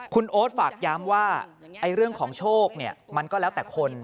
คุณโอ๊ตฝากย้ำว่าเรื่องของโชคมันก็แล้วแต่คน